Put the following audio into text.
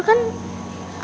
aku tinggal sama mereka